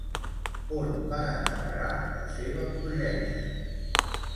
On va anar a parar la seva progènie?